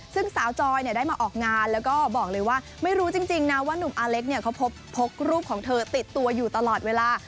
ซึ่งสาวจอยได้มาออกงานแล้วก็บอกเลยว่าไม่รู้จริงนะว่านุ่มอาเล็กเนี่ยเขาพกรูปของเธอติดตัวอยู่ตลอดเวลา